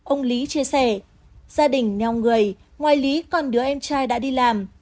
ông lý chia sẻ gia đình neo người ngoài lý còn đứa em trai đã đi làm